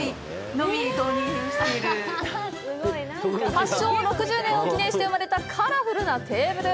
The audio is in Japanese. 発祥６０年を記念して生まれたカラフルなテーブル！